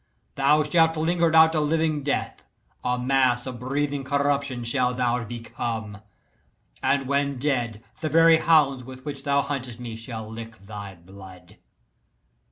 Thou shalt linger out a living death a mass of breathing corruption shalt thou become and when dead the very hounds with which thou huntedst me shall lick thy blood!"